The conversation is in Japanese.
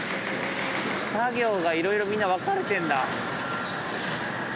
作業がいろいろみんな分かれてんだ。